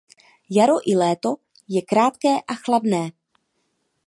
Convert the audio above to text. Jaro i léto je krátké a chladné.